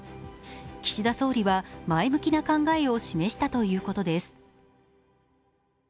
岸田総理は前向きな考えを示したということです。